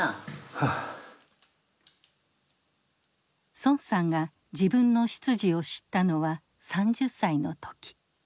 孫さんが自分の出自を知ったのは３０歳の時。